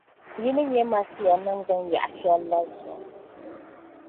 yi ni nyɛ Masia niŋgbuŋ yaɣ’ shɛl’ la zuɣu.